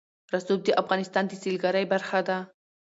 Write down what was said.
رسوب د افغانستان د سیلګرۍ برخه ده.